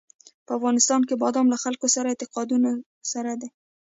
په افغانستان کې بادام له خلکو له اعتقاداتو سره دي.